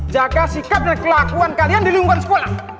jaka sikat dan kelakuan kalian dilindungi sekolah